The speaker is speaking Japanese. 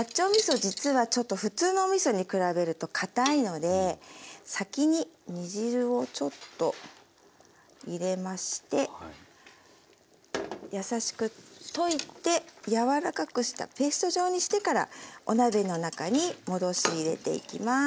実はちょっと普通のおみそに比べるとかたいので先に煮汁をちょっと入れまして優しく溶いて柔らかくしたペースト状にしてからお鍋の中に戻し入れていきます。